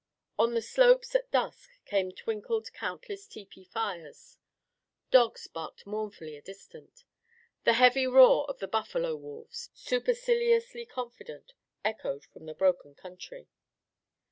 On the slopes as dusk came twinkled countless tepee fires. Dogs barked mournfully a distant. The heavy half roar of the buffalo wolves, superciliously confident, echoed from the broken country.